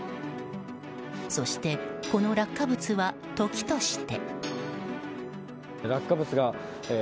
そして、この落下物は時として。